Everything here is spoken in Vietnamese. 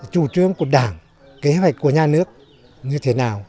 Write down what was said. chủ trương của đảng kế hoạch của nhà nước như thế nào